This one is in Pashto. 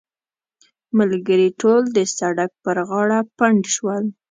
ملګري ټول د سړک پر غاړه پنډ شول.